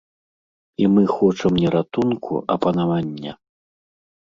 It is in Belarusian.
І мы хочам не ратунку, а панавання.